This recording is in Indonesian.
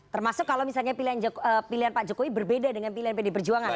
termasuk kalau misalnya pilihan pak jokowi berbeda dengan pilihan pdi perjuangan